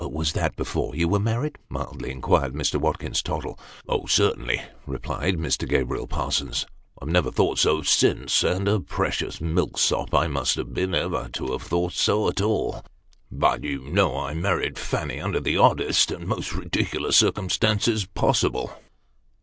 " Was that before you were married ?" mildly inquired Mr. Watkins Tottle. " Oh ! certainly," replied Mr. Gabriel Parsons, " I have never thought so since ; and a precious milksop I must have been, ever to have thought so at all. But, you know, I married Fanny under the oddest, and most ridiculous circumstances possible."